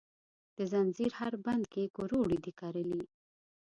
د ځنځیر هر بند کې کروړو دي کرلې،